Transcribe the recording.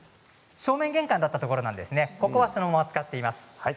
正面玄関だったところはそのまま使っています。